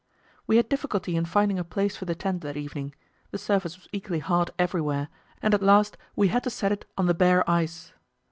We had difficulty in finding a place for the tent that evening; the surface was equally hard everywhere, and at last we had to set it on the bare ice.